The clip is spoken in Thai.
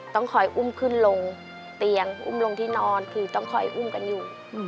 ต้องคอยอุ้มขึ้นลงเตียงอุ้มลงที่นอนคือต้องคอยอุ้มกันอยู่